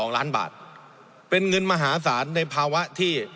๒ล้านบาทเป็นเงินมหาศาลในภาวะที่